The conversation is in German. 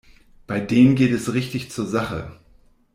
Bei denen geht es richtig zur Sache.